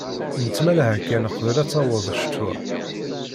Nettmalah kan qbel ad d-taweḍ ccetwa.